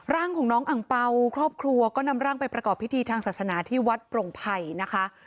ร่างของน้องอังเปล่าครอบครัวก็นำร่างไปประกอบพิธีทางศาสนาที่วัดโปร่งไผ่นะคะ